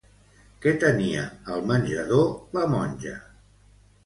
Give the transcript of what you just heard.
Què tenia al menjador la Monja?